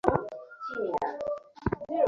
বড় ঝামেলায় পড়ে যাবেন তিনি।